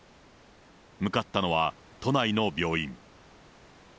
向かったのは、都内の病院。